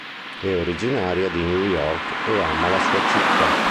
È originaria di New York e ama la sua città.